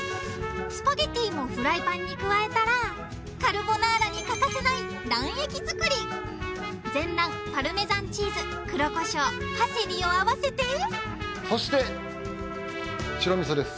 スパゲティーもフライパンに加えたらカルボナーラに欠かせない卵液作り全卵パルメザンチーズ黒コショウパセリを合わせてそして白味噌です。